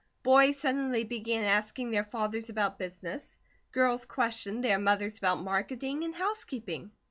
Boys suddenly began asking their fathers about business; girls questioned their mothers about marketing and housekeeping.